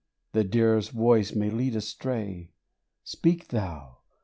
The dearest voice may lead astray : Speak Thou